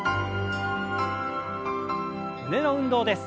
胸の運動です。